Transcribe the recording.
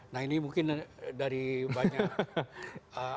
nah ini mungkin dari banyak